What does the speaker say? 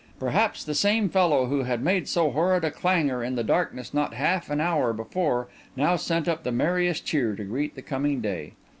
Perhaps the same fellow who had made so horrid a clangour in the darkness not half an hour before, now sent up the merriest cheer to greet the coming day.